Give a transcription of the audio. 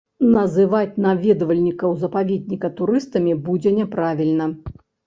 Называць наведвальнікаў запаведніка турыстамі будзе няправільна.